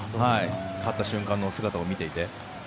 勝った瞬間の姿を見ていて。